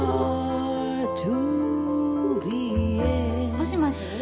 もしもし？